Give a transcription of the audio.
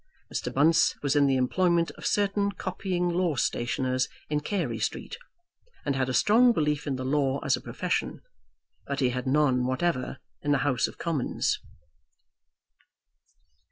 Mr. Bunce was in the employment of certain copying law stationers in Carey Street, and had a strong belief in the law as a profession; but he had none whatever in the House of Commons.